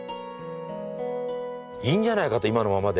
いいんじゃないかと今のままで。